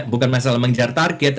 bukan masalah mengejar target